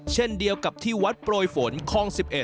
เช่นเดียวกับที่วัดโปรยฝนคลอง๑๑